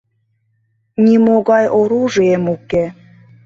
«Нимогай оружием уке!»